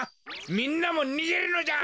みんなもにげるのじゃ。